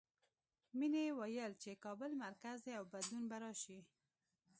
مینې ویل چې کابل مرکز دی او بدلون به راشي